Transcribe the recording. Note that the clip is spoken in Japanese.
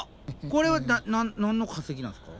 これは何の化石なんすか？